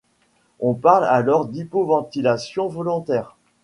On parle alors d'hypoventilation volontaire.